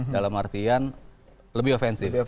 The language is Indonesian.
dalam artian lebih offensif